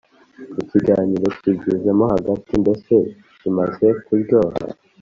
ikiganiro kigezemo hagati mbese kimaze kuryoha